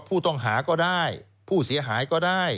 ผู้ต้องหาก็ได้ผู้เสียหายก็ได้